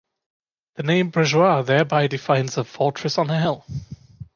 The name Bressuire thereby defines a fortress on a hill.